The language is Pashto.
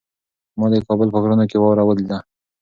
ما د کابل په غرونو کې واوره ولیده.